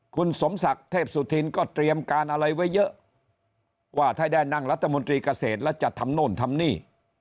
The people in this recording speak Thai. คุณสมศักดิ์เทพสุธินก็เตรียมการอะไรไว้เยอะว่าถ้าได้นั่งรัฐมนตรีเกษตรแล้วจะทำโน่นทำนี่